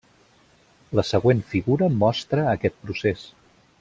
La següent figura mostra aquest procés.